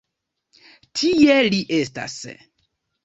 Tie li estas!